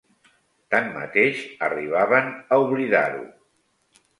Tanmateix arribaven a oblidar-ho.